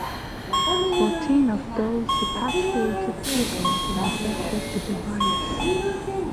Fourteen of those repatriated people were infected with the virus.